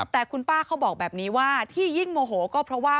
แต่คุณป้าเขาบอกแบบนี้ว่าที่ยิ่งโมโหก็เพราะว่า